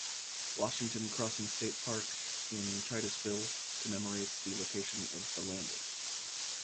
Washington Crossing State Park in Titusville commemorates the location of the landing.